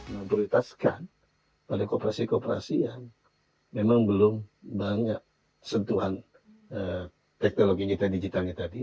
memperlutaskan pada koperasi koperasi yang memang belum banyak sentuhan teknologi digitalnya tadi